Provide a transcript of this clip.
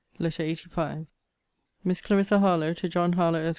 LETTER LXXXV MISS CLARISSA HARLOWE, TO JOHN HARLOWE, ESQ.